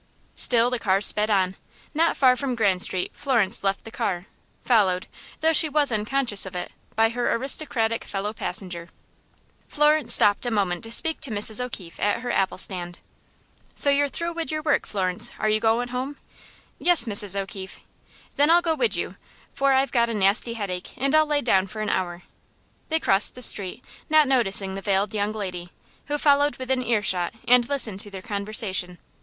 Still the car sped on. Not far from Grand Street, Florence left the car, followed, though she was unconscious of it, by her aristocratic fellow passenger. Florence stopped a moment to speak to Mrs. O'Keefe at her apple stand. "So you're through wid your work, Florence. Are you goin' home?" "Yes, Mrs. O'Keefe." "Then I'll go wid you, for I've got a nasty headache, and I'll lie down for an hour." They crossed the street, not noticing the veiled young lady, who followed within ear shot, and listened to their conversation.